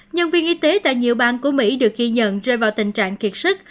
nhân viên y tế tại nhiều bang của mỹ được ghi nhận rơi vào tình trạng kiệt sức